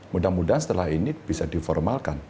mudah mudahan setelah ini bisa diformalkan